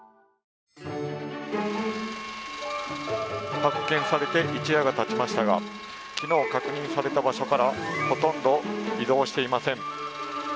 発見されて一夜がたちましたが、昨日、確認された場所からほとんど移動していません。